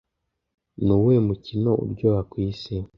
ni uwuhe mukino uryoha ku isi